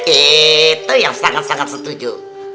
itu yang sangat sangat setuju